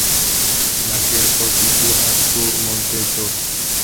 La kirko situas sur monteto.